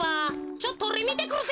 ちょっとおれみてくるぜ。